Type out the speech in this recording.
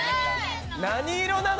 何色なの？